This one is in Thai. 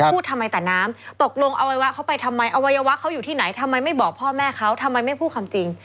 พูดทำไมแต่น้ำตกลงอวัยวะเขาไปทำไมอวัยวะเขาอยู่ที่ไหนทำไมไม่บอกพ่อแม่เขาทำไมไม่พูดความจริง